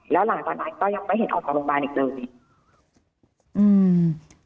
แล้วหลายตอนนั้นก็ยังไม่เห็นออกไปโรงพยาบาลอีกเลย